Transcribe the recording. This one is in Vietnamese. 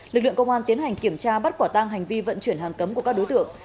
lực lượng công an tiến hành kiểm tra bắt quả tang hành vi vận chuyển hàng cấm của các đối tượng